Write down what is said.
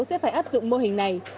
sẽ phải áp dụng mô hình này